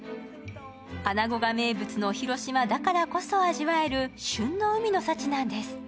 穴子が名物の広島だからこそ味わえる旬の海の幸なんです。